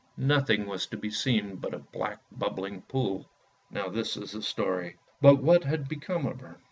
Nothing was to be seen but a black bubbling pool. Now this is the story. But what had become of her